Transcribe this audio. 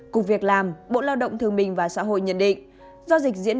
cục việc làm bộ lao động thương minh và xã hội nhận định